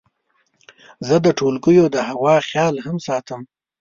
زه د ټولګیو د هوا خیال هم ساتم.